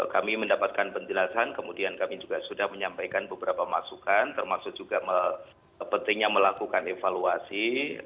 kami mendapatkan penjelasan kemudian kami juga sudah menyampaikan beberapa masukan termasuk juga pentingnya melakukan evaluasi